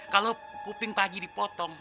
kalau kuping pak haji dipotong